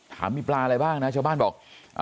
มีปลาอะไรบ้างนะชาวบ้านบอก